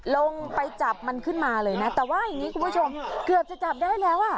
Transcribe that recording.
ลงไปจับมันขึ้นมาเลยนะแต่ว่าอย่างนี้คุณผู้ชมเกือบจะจับได้แล้วอ่ะ